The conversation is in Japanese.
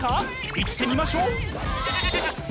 いってみましょう！